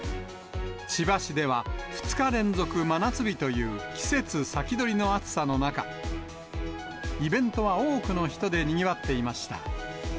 千葉市では、２日連続真夏日という季節先取りの暑さの中、イベントは多くの人でにぎわっていました。